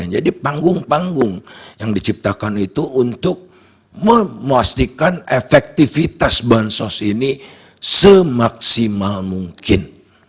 jadi panggung panggung yang diciptakan itu untuk memastikan efektivitas bahan sos ini semaksimal mungkin